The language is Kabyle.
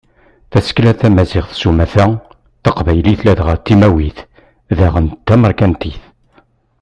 Tasekla tamaziɣt s umata, taqbaylit ladɣa d timawit daɣen d tamerkantit.